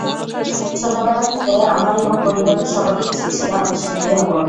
ছোটবেলা থেকে আমার এবং পরিবারের সবারই ইচ্ছে ছিল আমি শিল্পী হব।